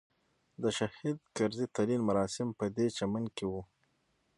د شهید کرزي تلین مراسم په دې چمن کې وو.